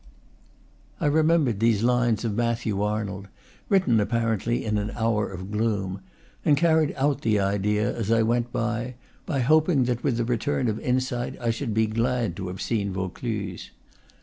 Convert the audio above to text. I remembered these lines of Matthew Arnold (written, apparently, in an hour of gloom), and carried out the idea, as I went, by hoping that with the return of in sight I should be glad to have seen Vaucluse.